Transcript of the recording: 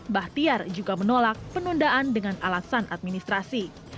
bahtiar juga menolak penundaan dengan alasan administrasi